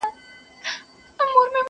د لېوه ستونی فارغ سو له هډوکي٫